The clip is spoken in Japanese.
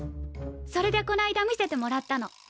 それでこの間見せてもらったの。